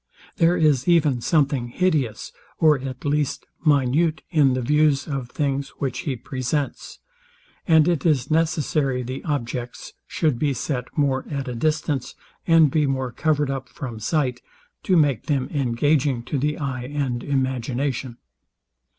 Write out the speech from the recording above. There is even something hideous, or at least minute in the views of things, which he presents; and it is necessary the objects should be set more at a distance, and be more covered up from sight, to make them engaging to the eye and imagination.